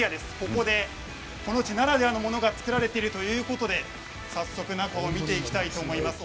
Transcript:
ここでこの地ならではのものが作られているということで早速中を見ていきたいと思います。